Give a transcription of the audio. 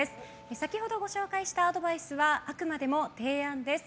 先ほど、ご紹介したアドバイスはあくまでも提案です。